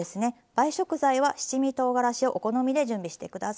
映え食材は七味とうがらしをお好みで準備して下さい。